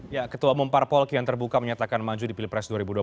ya ketua umum parpol kian terbuka menyatakan maju di pilpres dua ribu dua puluh